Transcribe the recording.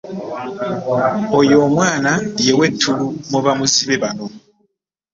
Oyo omwana ye w'ettulu mu ba muzibe nno.